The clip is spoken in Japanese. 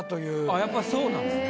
やっぱそうなんですね。